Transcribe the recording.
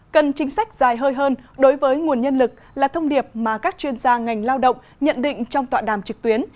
cần chính sách dài hơi hơn đối với nguồn nhân lực là thông điệp mà các chuyên gia ngành lao động nhận định trong tọa đàm trực tuyến